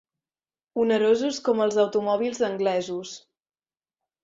Onerosos com els automòbils anglesos.